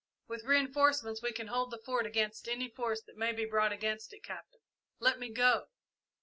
With reinforcements we can hold the Fort against any force that may be brought against it. Captain let me go!"